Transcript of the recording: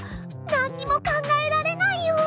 何にも考えられないよ。